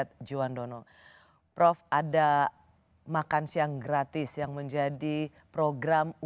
ini bukan sesuatu yang baru jadi prof kalau saya ingin memulai saya ternyata cukup tua juga untuk